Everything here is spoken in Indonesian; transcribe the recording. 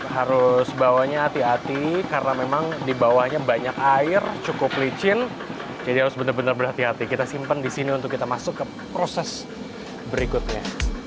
harus bawahnya hati hati karena memang di bawahnya banyak air cukup licin jadi harus benar benar berhati hati kita simpan di sini untuk kita masuk ke proses berikutnya